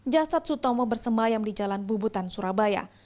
jasad sutomo bersemayam di jalan bubutan surabaya